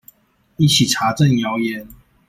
一起查證謠言